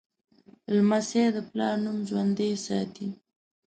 لمسی د پلار نوم ژوندی ساتي.